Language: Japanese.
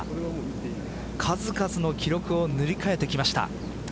数々の記録を塗り替えてきました。